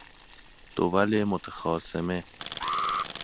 دول متخاصمه